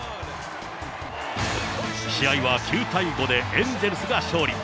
試合は９対５でエンゼルスが勝利。